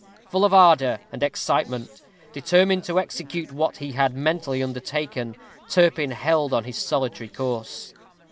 Full of ardor and excitement, determined to execute what he had mentally undertaken, Turpin held on his solitary course.